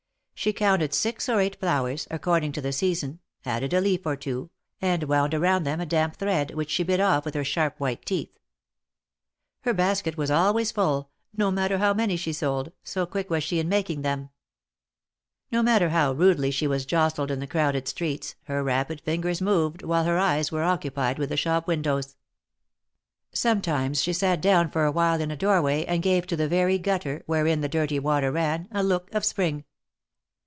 She counted six or eight flowers, according to the season, added a leaf or two, and wound around them a damp thread, which she bit off with her sharp white teeth. Her basket was always full, no matter how many she sold, so quick was she in making them. No matter how rudely she was jostled in the crowded streets, her rapid fingers moved, while her eyes were occupied with the shop windows. THE MARKETS OF PARIS. 191 Sometimes she sat down for a while in a doorway, and gave to the very gutter, wherein the dirty water ran, a look of spring.